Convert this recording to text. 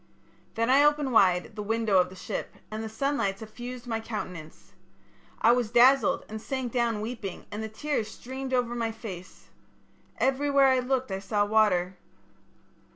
"Then I opened wide the window of the ship, and the sunlight suffused my countenance. I was dazzled and sank down weeping and the tears streamed over my face. Everywhere I looked I saw water.